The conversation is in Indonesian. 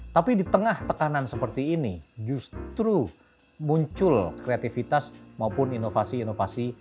tapi di tengah tekanan seperti ini justru muncul kreativitas maupun inovasi inovasi